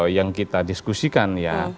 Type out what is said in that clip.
yang kita diskusikan